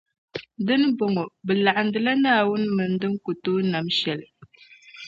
Dinibɔŋɔ, bɛ laɣindila Naawuni mini din ku tooi nam shεli?